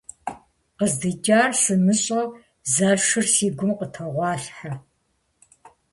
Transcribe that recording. КъыздикӀар сымыщӀэу зэшыр си гум къытогъуалъхьэ.